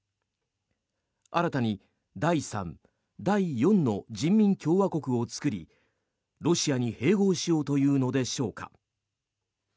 新たに第３、第４の人民共和国を作りロシアに併合しようというのでしょうか。